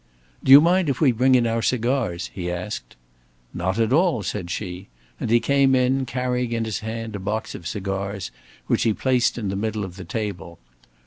"Do you mind if we bring in our cigars?" he asked. "Not at all," said she; and he came in, carrying in his hand a box of cigars, which he placed in the middle of the table.